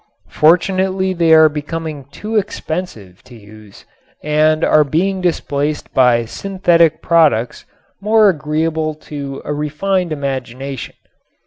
Fortunately they are becoming too expensive to use and are being displaced by synthetic products more agreeable to a refined imagination.